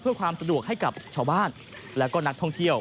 เพื่อความสะดวกให้กับชาวบ้านและก็นักท่องเที่ยว